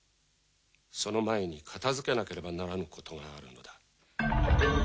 その前に片づけなければならぬことがあるのだ。